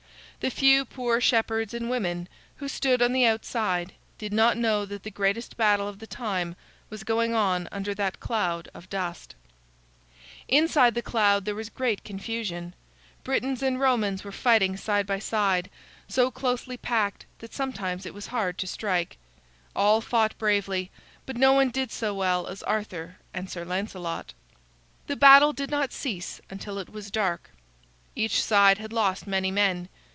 The few poor shepherds and women who stood on the outside did not know that the greatest battle of the time was going on under that cloud of dust. [Illustration: "King Arthur raising his hand for silence"] Inside the cloud there was great confusion. Britains and Romans were fighting side by side, so closely packed that sometimes it was hard to strike. All fought bravely, but no one did so well as Arthur and Sir Lancelot. The battle did not cease until it was dark. Each side had lost many men.